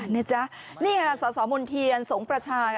นี่ค่ะสอมนเทียนสงประชา